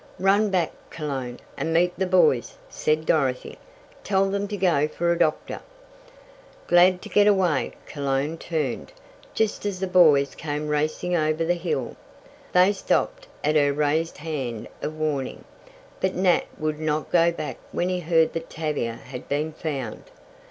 "Run back, Cologne, and meet the boys," said Dorothy. "Tell them to go for a doctor!" Glad to get away, Cologne turned, just as the boys came racing over the hill. They stopped, at her raised hand of warning, but Nat would not go back when he heard that Tavia had been found.